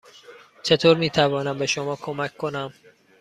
چطور می توانم به شما کمک کنم؟